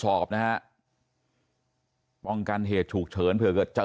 และก็คือว่าถึงแม้วันนี้จะพบรอยเท้าเสียแป้งจริงไหม